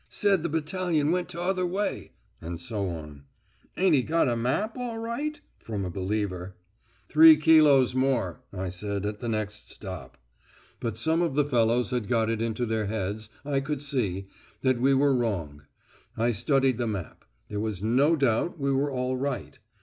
Said the battalion went t'other way,' and so on. 'Ain't 'e got a map all right?' from a believer. 'Three kilos more,' I said at the next stop. But some of the fellows had got it into their heads, I could see, that we were wrong. I studied the map; there was no doubt we were all right.